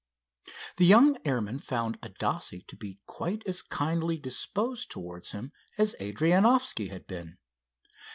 The young airman found Adasse to be quite as kindly disposed towards him as Adrianoffski had been.